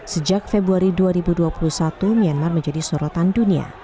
sejak februari dua ribu dua puluh satu myanmar menjadi sorotan dunia